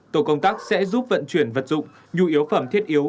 tổ công tác sẽ giúp vận chuyển vật dụng nhu yếu phẩm thiết yếu